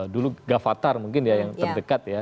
dulu gavatar mungkin ya yang terdekat ya